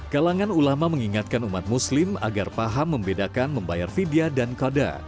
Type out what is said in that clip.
kalangan ulama mengingatkan umat muslim agar paham membedakan membayar vidya dan koda